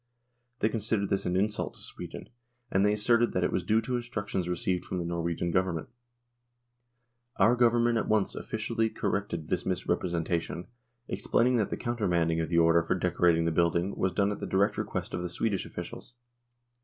They con sidered this an insult to Sweden, and they asserted that it was due to instructions received from the Norwegian Government Our Government at once officially corrected this misrepresentation, explaining that the countermanding of the order for decorating the building was done at the direct request of the Swedish officials.